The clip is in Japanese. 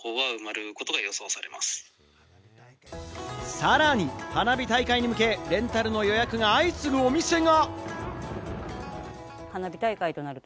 さらに花火大会に向け、レンタルの予約が相次ぐお店が！